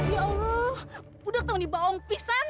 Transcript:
ya allah udah ketemu nih bangun pisang